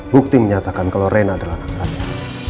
bukti menyatakan kalau rena adalah anak saya